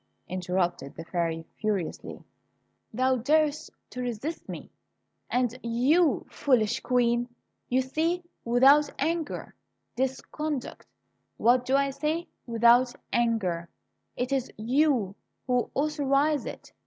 interrupted the Fairy, furiously. "Thou darest to resist me! And you, foolish Queen! you see, without anger, this conduct What do I say? without anger! It is you who authorize it!